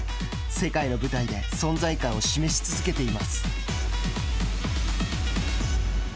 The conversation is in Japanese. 世界の舞台で存在感を示し続けています。